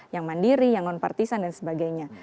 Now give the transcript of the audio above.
yang mandiri yang nonpartisan dan sebagainya